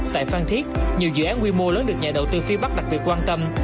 tại phan thiết nhiều dự án quy mô lớn được nhà đầu tư phía bắc đặc biệt quan tâm